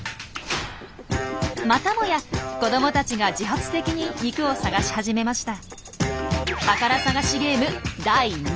またもや子どもたちが自発的に肉を探し始めました。